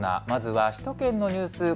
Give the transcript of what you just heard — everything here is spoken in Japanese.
まずは、首都圏のニュース